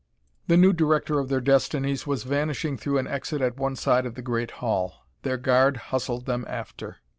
The new director of their destinies was vanishing through an exit at one side of the great hall; their guard hustled them after.